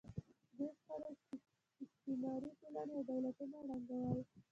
دې شخړو استعماري ټولنې او دولتونه ړنګول.